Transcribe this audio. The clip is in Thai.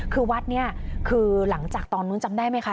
คือวัดนี้คือหลังจากตอนนู้นจำได้ไหมคะ